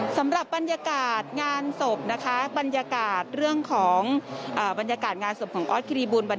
สำหรับบรรยากาศงานศพนะคะบรรยากาศเรื่องของบรรยากาศงานศพของออสคิริบูล